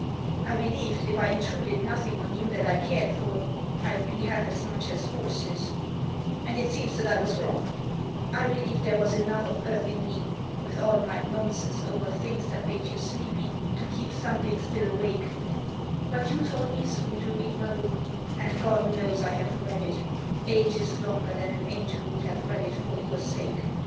I believed, if I intruded nothing on you that I cared for, I'd be half as much as horses, and it seems that I was wrong; I believed there was enough of earth in me, with all my nonsense Over things that made you sleepy, to keep something still awake; But you taught me soon to read my book, and God knows I have read it Ages longer than an angel would have read it for your sake.